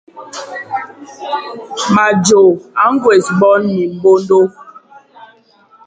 Majo a ñgwés boñ mimbondo.